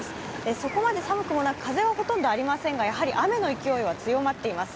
そこまで寒くなく風はほとんどありませんが雨の勢いは強まっています。